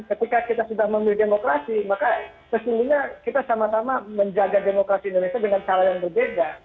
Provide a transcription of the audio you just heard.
ketika kita sudah memilih demokrasi maka sesungguhnya kita sama sama menjaga demokrasi indonesia dengan cara yang berbeda